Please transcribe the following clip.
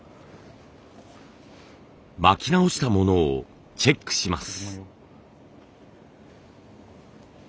巻き直したものをチェックします。